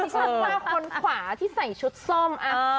ที่ฉันว่าคนขวาที่ใส่ชุดซ่อม